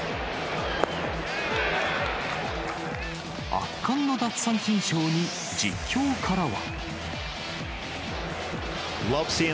圧巻の奪三振ショーに、実況からは。